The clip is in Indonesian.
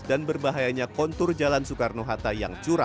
dan berbahayanya kontur jalan soekarno hatta yang curam